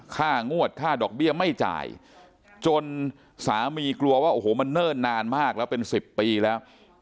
ค่างวดค่าดอกเบี้ยไม่จ่ายจนสามีกลัวว่าโอ้โหมันเนิ่นนานมากแล้วเป็น๑๐ปีแล้ว